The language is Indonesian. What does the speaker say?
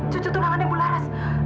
cucu tunangannya bularas